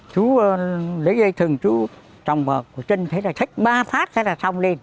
chú lấy dây thừng chú trồng vật của chân thế là thách ba phát sẽ là xong lên